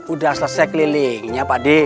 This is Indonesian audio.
udah selesai kelilingnya pak d